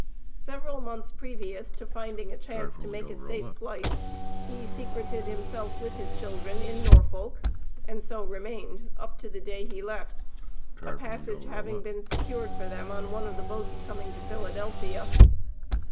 Several months previous to finding a chance to make a safe flight, he secreted himself with his children in Norfolk, and so remained up to the day he left, a passage having been secured for them on one of the boats coming to Philadelphia.